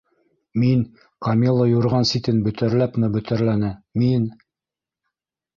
Мин, - Камилла юрған ситен бөтәрләпме-бөтәрләне, - мин...